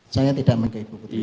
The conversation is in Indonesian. saya tidak mega ibu putri